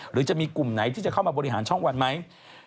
หรือจะมีกลุ่มไหนที่จะเข้ามาบริหารช่องวันไหม